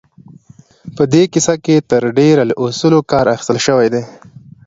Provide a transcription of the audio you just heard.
په دې کيسه کې تر ډېره له اصولو کار اخيستل شوی دی.